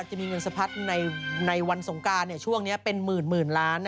จะมีเงินสะพัดในวันสงการช่วงนี้เป็นหมื่นล้าน